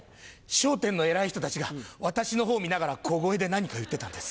『笑点』の偉い人たちが私の方見ながら小声で何か言ってたんです。